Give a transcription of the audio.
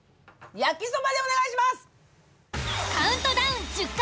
焼そばでお願いします！